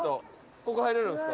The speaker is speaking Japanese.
ここ入れるんですか？